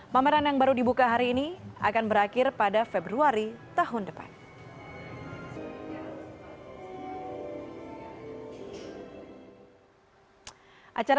pameran yang baru dibuka hari ini akan berakhir pada februari tahun depan